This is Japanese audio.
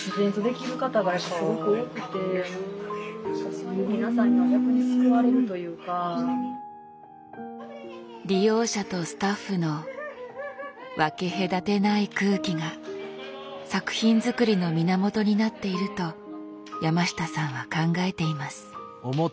そういうのとかも何と言うか利用者とスタッフの分け隔てない空気が作品作りの源になっていると山下さんは考えています。